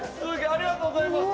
ありがとうございます。